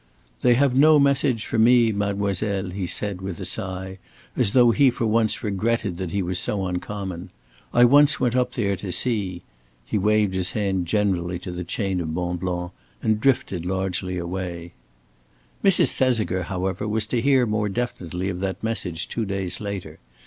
"They have no message for me, mademoiselle," he said, with a sigh, as though he for once regretted that he was so uncommon. "I once went up there to see." He waved his hand generally to the chain of Mont Blanc and drifted largely away. Mrs. Thesiger, however, was to hear more definitely of that message two days later.